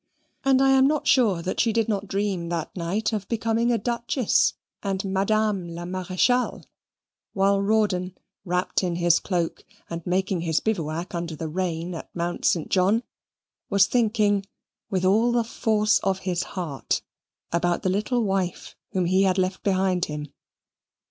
And I am not sure that she did not dream that night of becoming a duchess and Madame la Marechale, while Rawdon wrapped in his cloak, and making his bivouac under the rain at Mount Saint John, was thinking, with all the force of his heart, about the little wife whom he had left behind him.